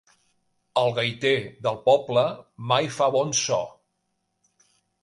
El gaiter del poble mai fa bon so.